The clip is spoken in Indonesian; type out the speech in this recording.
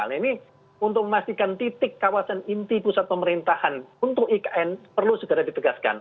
nah ini untuk memastikan titik kawasan inti pusat pemerintahan untuk ikn perlu segera ditegaskan